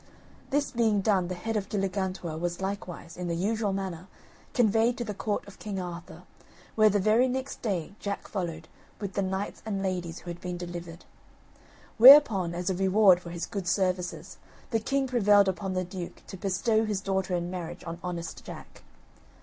This being done, the head of Galligantua was likewise, in the usual manner, conveyed to the Court of King Arthur, where, the very next day, Jack followed, with the knights and ladies who had been delivered. Whereupon, as a reward for his good services, the king prevailed upon the duke to bestow his daughter in marriage on honest Jack.